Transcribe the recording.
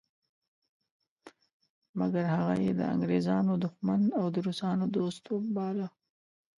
مګر هغه یې د انګریزانو دښمن او د روسانو دوست باله.